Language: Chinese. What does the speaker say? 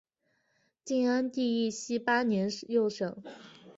晋安帝义熙八年又省。